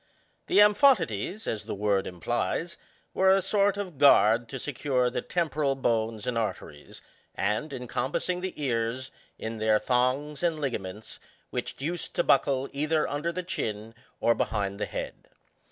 The amphotides, as the word implies, were a sort of gnard to secure the temporal bones and arteries, and encompassing the ears, in their thongs and ligaments, which used to buckle either under the chin or behind the head.